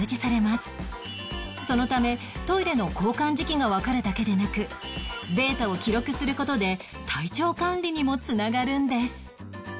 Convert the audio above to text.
そのためトイレの交換時期がわかるだけでなくデータを記録する事で体調管理にも繋がるんです